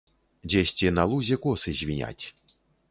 Дзесьці на лузе косы звіняць.